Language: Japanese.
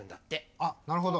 あっなるほど！